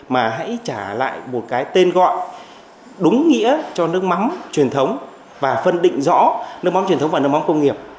mà hãy trả lại một cái tên gọi đúng nghĩa cho nước mắm truyền thống và phân định rõ nước mắm truyền thống và nước mắm công nghiệp